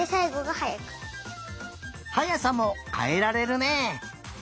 はやさもかえられるね。